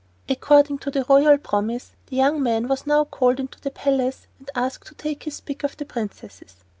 According to the royal promise, the young man was now called into the palace and asked to take his pick of the princesses.